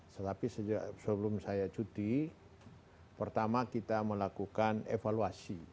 tetapi sebelum saya cuti pertama kita melakukan evaluasi